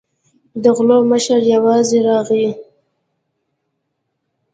د غلو مشر یوازې راغی.